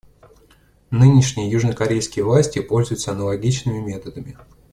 Нынешние южнокорейские власти пользуются аналогичными методами.